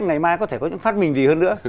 ngày mai có thể có những phát minh gì hơn nữa